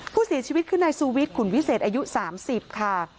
ผู้เสียชีวิตคือนายซูวิทยขุนวิเศษอายุ๓๐ค่ะ